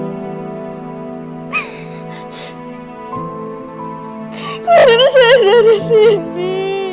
aku harus lari dari sini